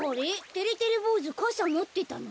てれてれぼうずかさもってたの？